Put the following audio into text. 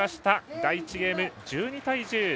第１ゲーム、１２対１０。